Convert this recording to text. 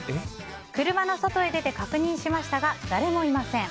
車の外へ出て確認しましたが誰もいません。